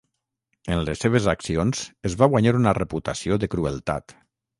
En les seves accions es va guanyar una reputació de crueltat.